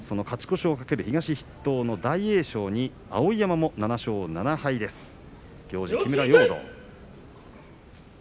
勝ち越しを懸ける東の筆頭の大栄翔に碧山も７勝７敗です。